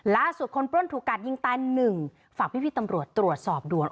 ล่าสุดคนปล้นถูกกัดยิงตาย๑ฝากพี่ตำรวจตรวจสอบด่วน